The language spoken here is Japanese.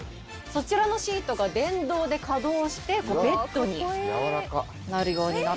そちらのシートが電動で稼働してベッドになるようになってます。